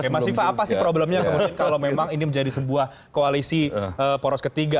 mas ifah apa sih problemnya kalau memang ini menjadi sebuah koalisi poros ketiga